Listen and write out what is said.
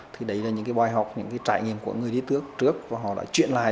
thì đấy là những cái bài học những cái trải nghiệm của người đi trước và họ đã chuyển lại